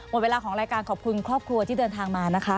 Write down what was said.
หมดเวลาของรายการขอบคุณครอบครัวที่เดินทางมานะคะ